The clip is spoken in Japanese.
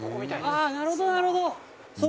あっなるほどなるほど。